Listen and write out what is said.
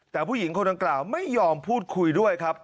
แต่ผู้หญิงคนดังกล่าวไม่ยอมพูดคุยด้วยครับ